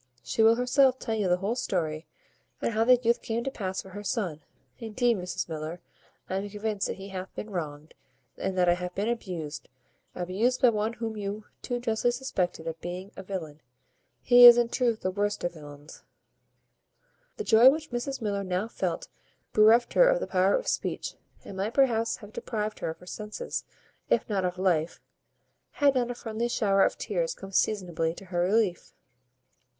She will herself tell you the whole story, and how the youth came to pass for her son. Indeed, Mrs Miller, I am convinced that he hath been wronged, and that I have been abused; abused by one whom you too justly suspected of being a villain. He is, in truth, the worst of villains." The joy which Mrs Miller now felt bereft her of the power of speech, and might perhaps have deprived her of her senses, if not of life, had not a friendly shower of tears come seasonably to her relief.